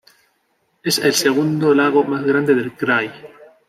Es el segundo lago más grande del "krai".